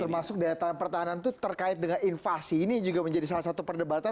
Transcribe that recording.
termasuk daya tahan pertahanan itu terkait dengan invasi ini juga menjadi salah satu perdebatan